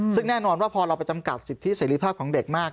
ซึ่งแน่นอนว่าพอเราไปจำกัดสิทธิเสรีภาพของเด็กมาก